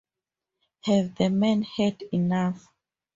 Have The Men Had Enough?